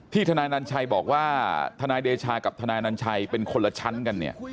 ทนายนัญชัยบอกว่าทนายเดชากับทนายนัญชัยเป็นคนละชั้นกันเนี่ย